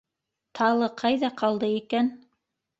Талы ҡайҙа ҡалды икән?